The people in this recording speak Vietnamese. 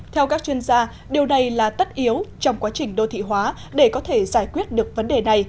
theo các chuyên gia điều này là tất yếu trong quá trình đô thị hóa để có thể giải quyết được vấn đề này